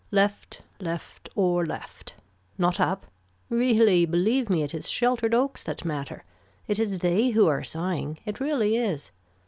Left left or left. Not up. Really believe me it is sheltered oaks that matter. It is they who are sighing. It really is.